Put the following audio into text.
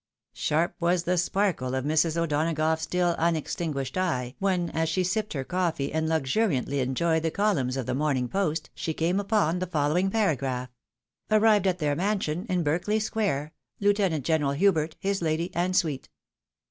Sharp was the sparkle of Mrs. O'Donagough's still unextin guished eye, when, as she sipped her coffee and luxuriantly en joyed the columns of the Morning Post, she came upon the following paragraph :—" Arrived at their mansion in Berkeley square, Lieutenant General Hubert, his lady, and suite."